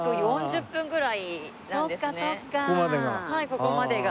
ここまでが？